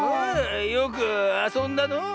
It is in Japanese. よくあそんだのう。